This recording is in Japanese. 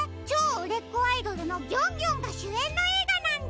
うれっこアイドルのギョンギョンがしゅえんのえいがなんだ！